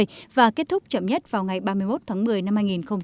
điều tra kết thúc chậm nhất vào ngày ba mươi một tháng một mươi năm hai nghìn một mươi chín